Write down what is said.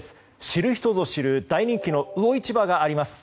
知る人ぞ知る大人気の魚市場があります。